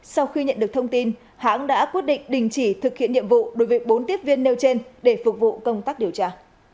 sau khi nhận được thông tin hãng đã quyết định đình chỉ thực hiện nhiệm vụ đối với bốn tiếp viên nêu trên để phục vụ công tác điều tra